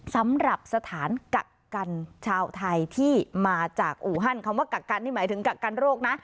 สำหรับสถานกักกันชาวไทยที่มาจากอู่ฮั่นคำว่ากักกันนี่หมายถึงกักกันโรคนะ